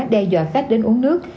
đe dọa khách đến uống nước